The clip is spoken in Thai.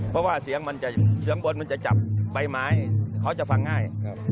เพราะว่าเสียงบนมันจะจับใบไม้เขาจะฟังง่าย